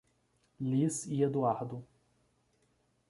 Liz e Eduardo